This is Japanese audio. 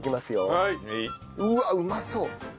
うわっうまそう！